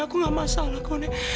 aku nggak masalah kau nek